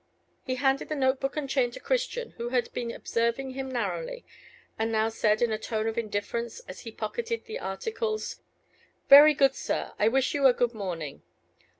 He handed the note book and chain to Christian, who had been observing him narrowly, and now said, in a tone of indifference, as he pocketed the articles "Very good, sir. I wish you a good morning."